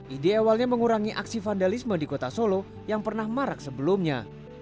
ide awalnya mengurangi aksi vandalisme di kota solo yang pernah marak sebelumnya